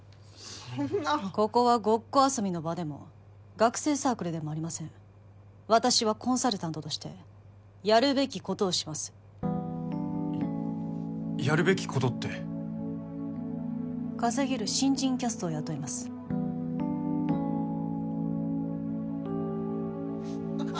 そんなここはごっこ遊びの場でも学生サークルでもありません私はコンサルタントとしてやるべきことをしますやるべきことって稼げる新人キャストを雇いますあ